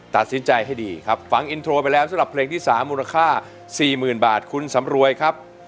ตัดสินใจให้ดีครับฟังอินโทรไปแล้วสำหรับเพลงที่๓มูลค่า๔๐๐๐บาทคุณสำรวยครับ